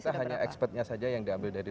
kita hanya expertnya saja yang diambil dari